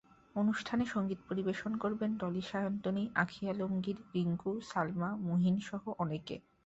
অনুষ্ঠানে সংগীত পরিবেশন করবেন ডলি সায়ন্তনী, আঁখি আলমগীর, রিংকু, সালমা, মুহীনসহ অনেকে।